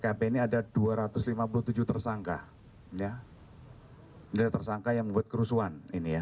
tapi ini ada dua ratus lima puluh tujuh tersangka ini adalah tersangka yang membuat kerusuhan ini ya